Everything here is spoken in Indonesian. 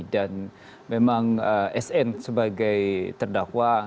dan memang sn sebagai terdakwa